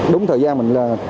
đúng thời gian mình là